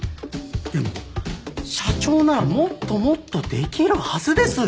「でも社長ならもっともっとできるはずです」